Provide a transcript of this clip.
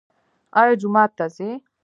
ایا جومات ته ځئ؟